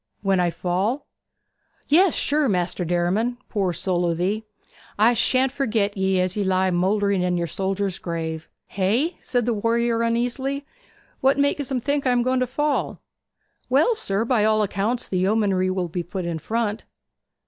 'When I fall?' 'Yes, sure, Maister Derriman. Poor soul o' thee! I shan't forget 'ee as you lie mouldering in yer soldier's grave.' 'Hey?' said the warrior uneasily. 'What makes 'em think I am going to fall?' 'Well, sir, by all accounts the yeomanry will be put in front.'